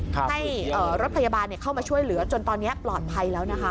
ให้รถพยาบาลเข้ามาช่วยเหลือจนตอนนี้ปลอดภัยแล้วนะคะ